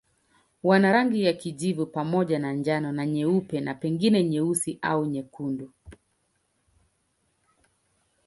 Wana rangi ya kijivu pamoja na njano na nyeupe na pengine nyeusi au nyekundu.